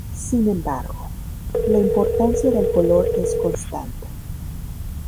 Sin embargo, la importancia del color es constante.